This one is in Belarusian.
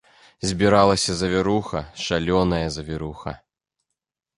Збіралася завіруха, шалёная завіруха.